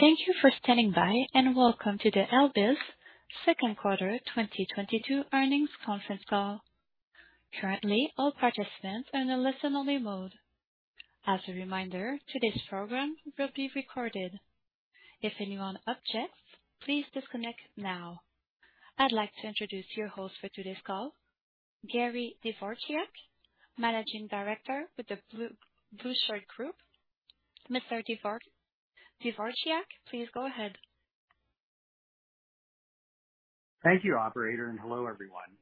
Thank you for standing by, and welcome to the Helbiz second quarter 2022 earnings conference call. Currently, all participants are in a listen-only mode. As a reminder, today's program will be recorded. If anyone objects, please disconnect now. I'd like to introduce your host for today's call, Gary Dvorchak, Managing Director with The Blueshirt Group. Mr. Dvorchak, please go ahead. Thank you, operator, and hello, everyone.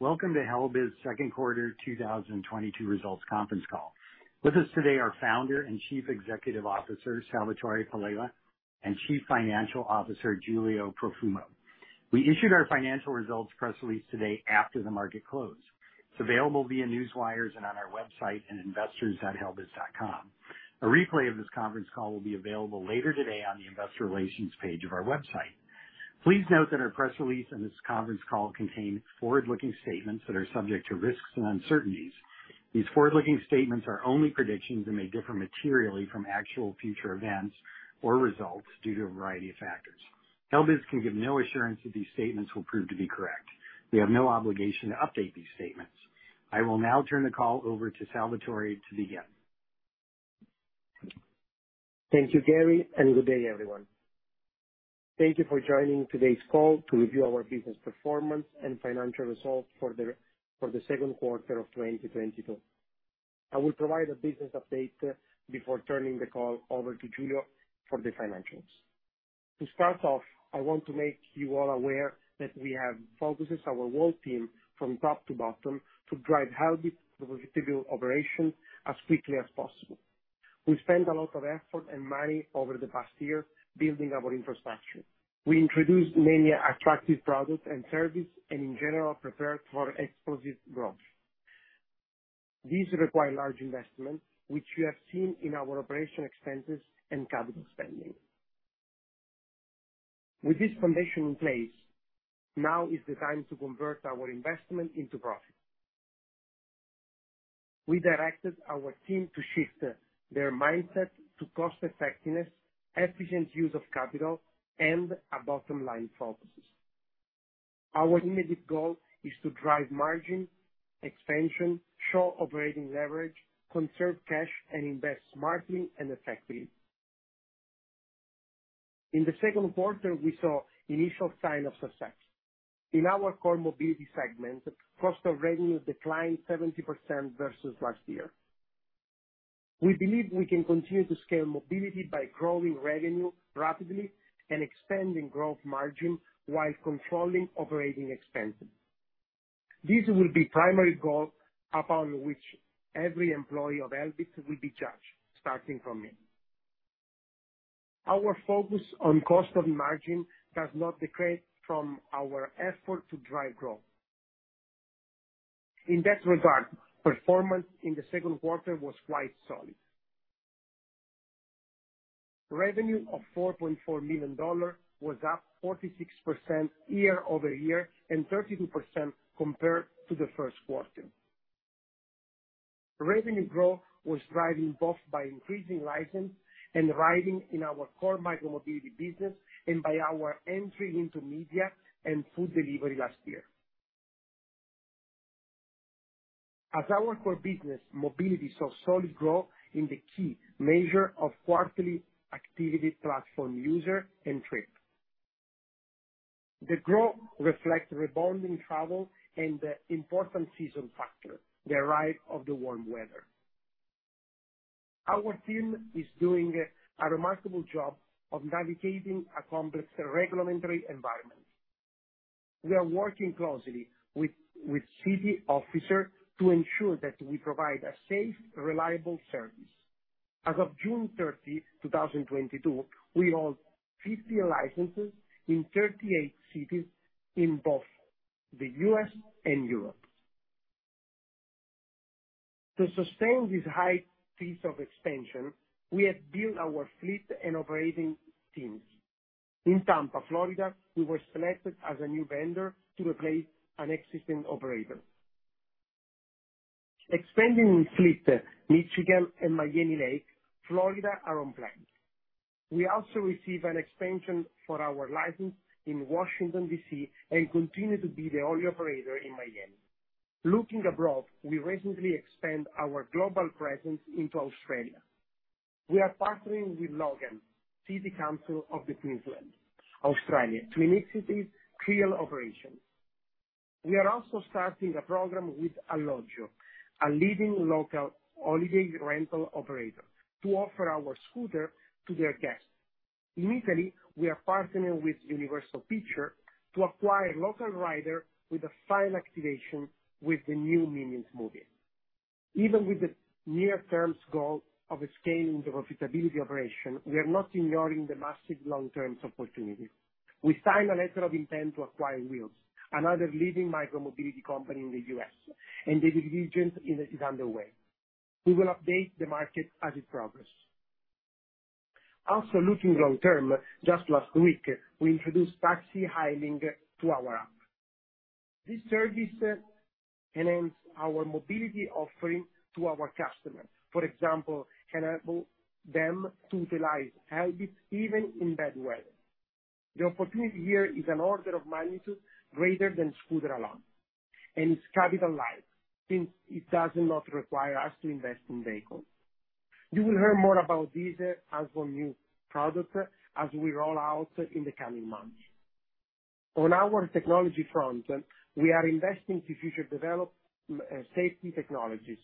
Welcome to Helbiz second quarter 2022 results conference call. With us today are Founder and Chief Executive Officer, Salvatore Palella, and Chief Financial Officer, Giulio Profumo. We issued our financial results press release today after the market closed. It's available via newswires and on our website at investors.helbiz.com. A replay of this conference call will be available later today on the investor relations page of our website. Please note that our press release and this conference call contain forward-looking statements that are subject to risks and uncertainties. These forward-looking statements are only predictions and may differ materially from actual future events or results due to a variety of factors. Helbiz can give no assurance that these statements will prove to be correct. We have no obligation to update these statements. I will now turn the call over to Salvatore to begin. Thank you, Gary, and good day, everyone. Thank you for joining today's call to review our business performance and financial results for the second quarter of 2022. I will provide a business update before turning the call over to Giulio for the financials. To start off, I want to make you all aware that we have focused our whole team from top to bottom to drive Helbiz profitable operations as quickly as possible. We spent a lot of effort and money over the past year building our infrastructure. We introduced many attractive products and services, and in general, prepared for explosive growth. These require large investments, which you have seen in our operating expenses and capital spending. With this foundation in place, now is the time to convert our investment into profit. We directed our team to shift their mindset to cost effectiveness, efficient use of capital, and a bottom line focus. Our immediate goal is to drive margin expansion, show operating leverage, conserve cash, and invest smartly and effectively. In the second quarter, we saw initial sign of success. In our core mobility segment, cost of revenue declined 70% versus last year. We believe we can continue to scale mobility by growing revenue rapidly and expanding gross margin while controlling operating expenses. This will be primary goal upon which every employee of Helbiz will be judged, starting from me. Our focus on gross margin does not detract from our effort to drive growth. In that regard, performance in the second quarter was quite solid. Revenue of $4.4 million was up 46% year-over-year and 32% compared to the first quarter. Revenue growth was driven both by increasing licenses and ridership in our core micromobility business and by our entry into media and food delivery last year. Our core business, mobility saw solid growth in the key measure of quarterly active platform users and trips. The growth reflects rebounding travel and the important seasonal factor, the arrival of the warm weather. Our team is doing a remarkable job of navigating a complex regulatory environment. We are working closely with city officials to ensure that we provide a safe, reliable service. As of June 30, 2022, we hold 50 licenses in 38 cities in both the U.S. and Europe. To sustain this high pace of expansion, we have built our fleet and operating teams. In Tampa, Florida, we were selected as a new vendor to replace an existing operator. Expanding fleet, Michigan and Miami Lakes, Florida are on plan. We also receive an expansion for our license in Washington, D.C. and continue to be the only operator in Miami. Looking abroad, we recently expand our global presence into Australia. We are partnering with Logan City Council in Queensland, Australia, to initiate e-scooter operations. We are also starting a program with Alloggio, a leading local holiday rental operator, to offer our scooter to their guests. In Italy, we are partnering with Universal Pictures to attract local riders with a viral activation with the new Minions movie. Even with the near-term goal of scaling profitable operations, we are not ignoring the massive long-term opportunity. We signed a letter of intent to acquire Wheels, another leading micromobility company in the U.S., and the due diligence is underway. We will update the market as it progresses. Looking long term, just last week, we introduced taxi hailing to our app. This service enhances our mobility offering to our customers. For example, enables them to utilize Helbiz even in bad weather. The opportunity here is an order of magnitude greater than scooter alone, and it's capital light since it does not require us to invest in vehicles. You will hear more about this as one new product as we roll out in the coming months. On our technology front, we are investing to further develop safety technologies.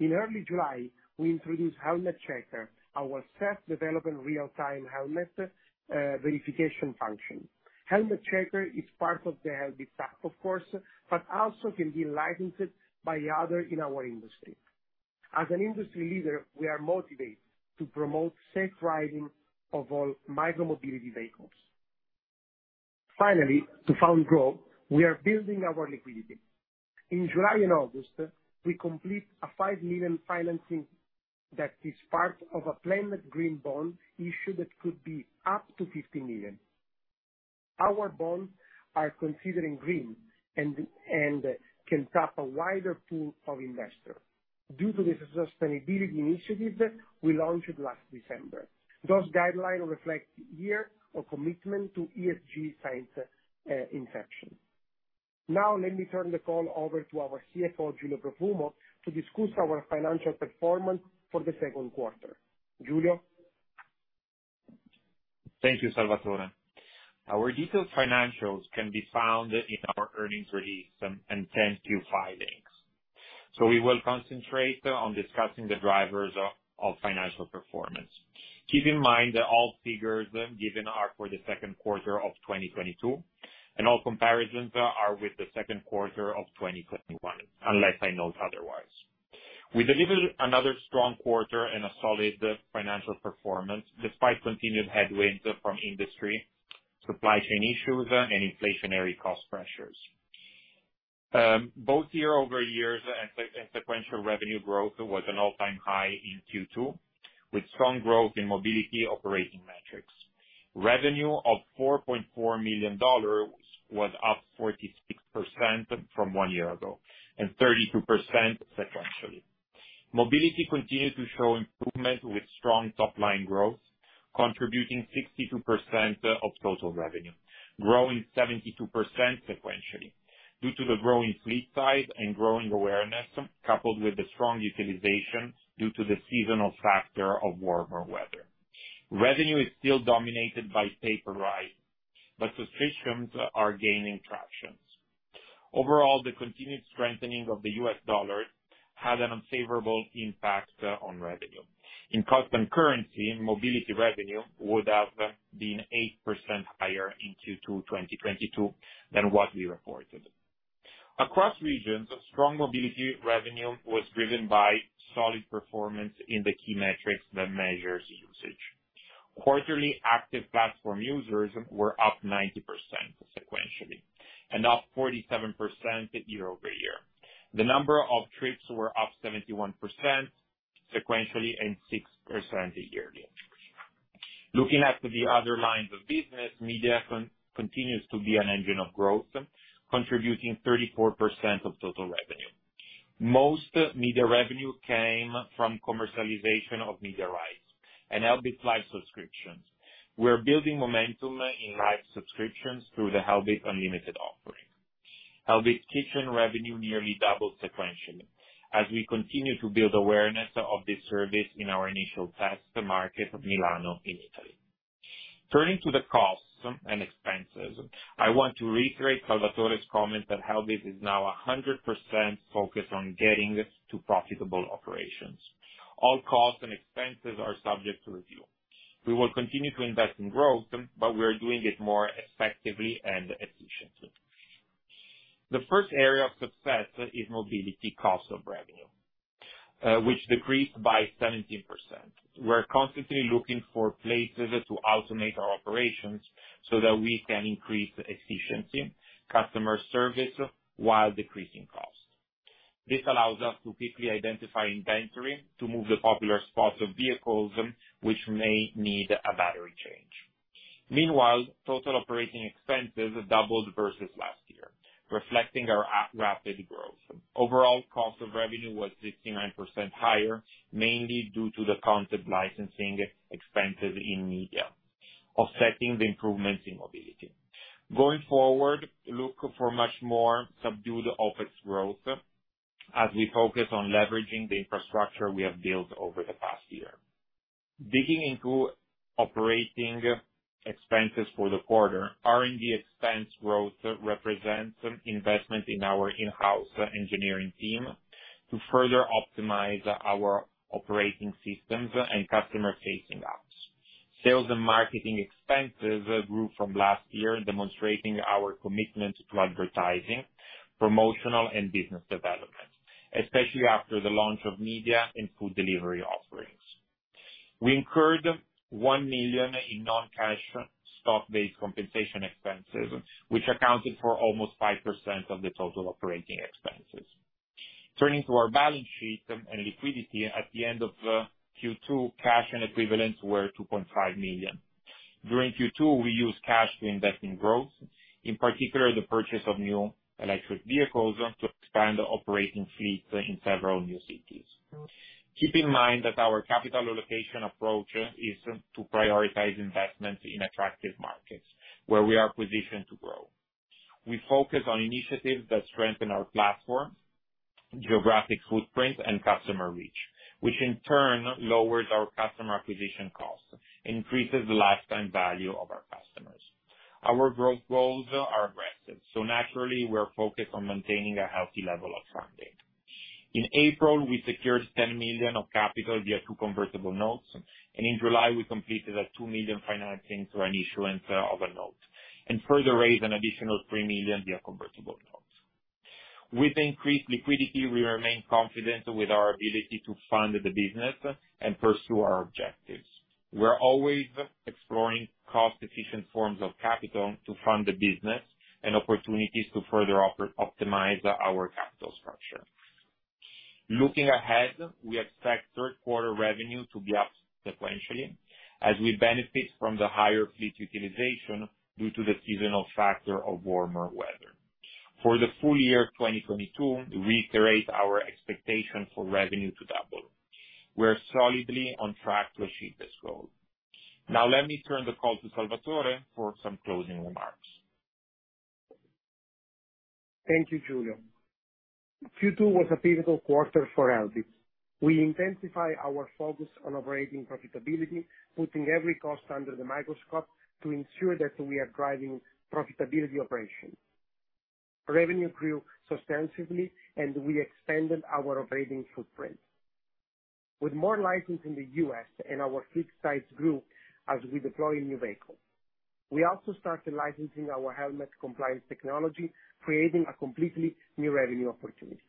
In early July, we introduced Helmet Checker, our self-developed real-time helmet verification function. Helmet Checker is part of the Helbiz app, of course, but also can be licensed to others in our industry. As an industry leader, we are motivated to promote safe riding of all micro-mobility vehicles. Finally, to fund growth, we are building our liquidity. In July and August, we complete a $5 million financing that is part of a planned green bond issue that could be up to $50 million. Our bonds are considered green and can tap a wider pool of investors due to the sustainability initiative we launched last December. Those guidelines reflect years of commitment to ESG science in action. Now let me turn the call over to our CFO, Giulio Profumo, to discuss our financial performance for the second quarter. Giulio? Thank you, Salvatore. Our detailed financials can be found in our earnings release and 10-Q filings. We will concentrate on discussing the drivers of financial performance. Keep in mind that all figures given are for the second quarter of 2022, and all comparisons are with the second quarter of 2021, unless I note otherwise. We delivered another strong quarter and a solid financial performance despite continued headwinds from industry, supply chain issues, and inflationary cost pressures. Both year-over-year and sequential revenue growth was an all-time high in Q2, with strong growth in mobility operating metrics. Revenue of $4.4 million was up 46% from one year ago and 32% sequentially. Mobility continued to show improvement with strong top-line growth, contributing 62% of total revenue, growing 72% sequentially due to the growing fleet size and growing awareness, coupled with the strong utilization due to the seasonal factor of warmer weather. Revenue is still dominated by pay per ride, but subscriptions are gaining traction. Overall, the continued strengthening of the U.S. dollar had an unfavorable impact on revenue. In constant currency, mobility revenue would have been 8% higher in Q2 2022 than what we reported. Across regions, strong mobility revenue was driven by solid performance in the key metrics that measures usage. Quarterly active platform users were up 90% sequentially and up 47% year over year. The number of trips were up 71% sequentially and 6% yearly. Looking at the other lines of business, media continues to be an engine of growth, contributing 34% of total revenue. Most media revenue came from commercialization of media rights and Helbiz Live subscriptions. We're building momentum in live subscriptions through the Helbiz Unlimited offering. Helbiz Kitchen revenue nearly doubled sequentially as we continue to build awareness of this service in our initial test market, Milano in Italy. Turning to the costs and expenses, I want to reiterate Salvatore's comment that Helbiz is now 100% focused on getting to profitable operations. All costs and expenses are subject to review. We will continue to invest in growth, but we are doing it more effectively and efficiently. The first area of success is mobility cost of revenue, which decreased by 17%. We're constantly looking for places to automate our operations so that we can increase efficiency, customer service while decreasing costs. This allows us to quickly identify inventory to move the popular spots of vehicles which may need a battery change. Meanwhile, total operating expenses doubled versus last year, reflecting our rapid growth. Overall, cost of revenue was 69% higher, mainly due to the content licensing expenses in media, offsetting the improvements in mobility. Going forward, look for much more subdued OpEx growth as we focus on leveraging the infrastructure we have built over the past year. Digging into operating expenses for the quarter, R&D expense growth represents investment in our in-house engineering team to further optimize our operating systems and customer-facing apps. Sales and marketing expenses grew from last year, demonstrating our commitment to advertising, promotional, and business development, especially after the launch of media and food delivery offerings. We incurred $1 million in non-cash stock-based compensation expenses, which accounted for almost 5% of the total operating expenses. Turning to our balance sheet and liquidity, at the end of Q2, cash and equivalents were $2.5 million. During Q2, we used cash to invest in growth, in particular, the purchase of new electric vehicles to expand the operating fleet in several new cities. Keep in mind that our capital allocation approach is to prioritize investments in attractive markets where we are positioned to grow. We focus on initiatives that strengthen our platform, geographic footprint, and customer reach, which in turn lowers our customer acquisition costs and increases the lifetime value of our customers. Our growth goals are aggressive, so naturally, we're focused on maintaining a healthy level of funding. In April, we secured $10 million of capital via two convertible notes, and in July, we completed a $2 million financing through an issuance of a note and further raised an additional $3 million via convertible notes. With increased liquidity, we remain confident with our ability to fund the business and pursue our objectives. We're always exploring cost-efficient forms of capital to fund the business and opportunities to further optimize our capital structure. Looking ahead, we expect third quarter revenue to be up sequentially as we benefit from the higher fleet utilization due to the seasonal factor of warmer weather. For the full year of 2022, we reiterate our expectation for revenue to double. We're solidly on track to achieve this goal. Now, let me turn the call to Salvatore for some closing remarks. Thank you, Giulio. Q2 was a pivotal quarter for Helbiz. We intensify our focus on operating profitability, putting every cost under the microscope to ensure that we are driving profitable operations. Revenue grew substantially, and we expanded our operating footprint. With more licenses in the U.S. and our fleet size grew as we deploy new vehicles. We also started licensing our Helmet Checker, creating a completely new revenue opportunity.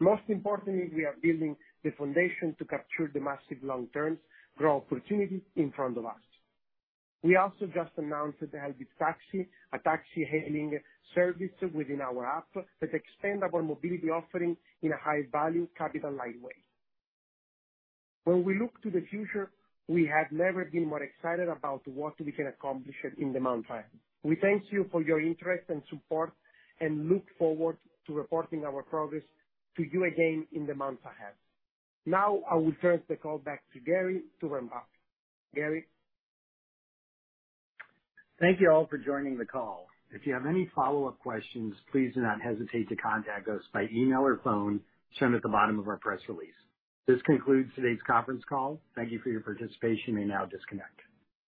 Most importantly, we are building the foundation to capture the massive long-term growth opportunity in front of us. We also just announced Helbiz Taxi, a taxi hailing service within our app that extend our mobility offering in a high-value capital-light way. When we look to the future, we have never been more excited about what we can accomplish in the months ahead. We thank you for your interest and support and look forward to reporting our progress to you again in the months ahead. Now, I will turn the call back to Gary to wrap up. Gary? Thank you all for joining the call. If you have any follow-up questions, please do not hesitate to contact us by email or phone shown at the bottom of our press release. This concludes today's conference call. Thank you for your participation. You may now disconnect.